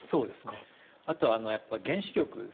あとやっぱ原子力。